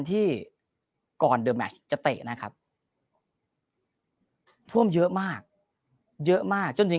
ที่ก่อนเดอร์แมชจะเตะนะครับท่วมเยอะมากเยอะมากจนถึง